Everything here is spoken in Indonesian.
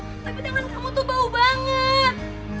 tapi tangan kamu tuh bau banget